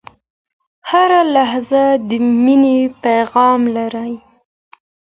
هره لحظه د میني پیغام لري